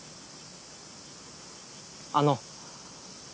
あの。